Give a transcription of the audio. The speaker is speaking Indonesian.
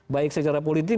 baik secara politik